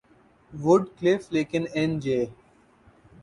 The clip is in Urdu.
would cliff Lake اینجے